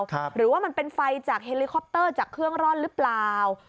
หรือว่ามันเป็นไฟจากเฮลิคอปเตอร์จากเครื่องร่อนหรือเปล่า